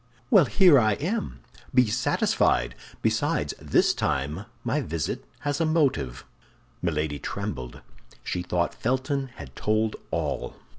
Well, here I am; be satisfied. Besides, this time, my visit has a motive." Milady trembled; she thought Felton had told all.